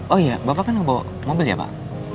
oh iya bapak kan membawa mobil ya pak